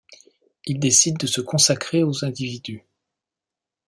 Il décide de se consacrer aux individus.